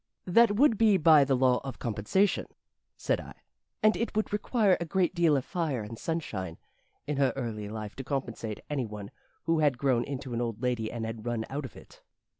"That would be by the law of compensation," said I. "And it would require a great deal of fire and sunshine in her early life to compensate any one who had grown into an old lady and had run out of it."